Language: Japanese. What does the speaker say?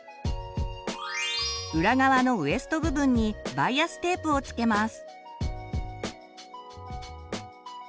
裏側のウエスト部分にバイアステープを付けます。